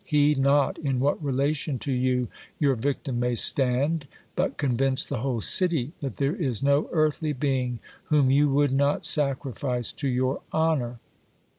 Heed not in what relation to you your victim may stand : but convince the whole city that there is no earthly being whom you would not sacrifice to your honour.